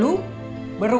ibu sama bapak becengek